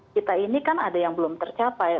kita ini kan ada yang belum tercapai